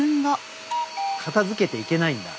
片づけていけないんだ。